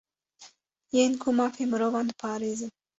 Yên ku mafê mirovan diparêzin